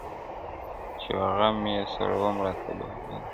چي یو غم یې سړوم راته بل راسي-